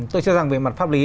tôi cho rằng về mặt pháp lý